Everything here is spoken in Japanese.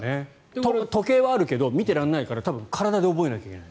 時計はあるけど見ていられないから体で覚えなきゃいけない。